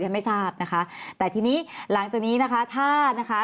ยังไม่ทราบนะคะแต่ทีนี้หลังจากนี้นะคะ